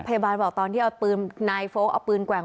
พยาบาลบอกตอนที่นายโฟล์เอาปืนแกว่ง